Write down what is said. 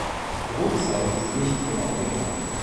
Die Brutzeit ist nicht genau bekannt.